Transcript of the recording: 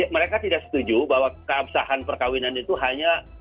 mereka tidak setuju bahwa keabsahan perkawinan itu hanya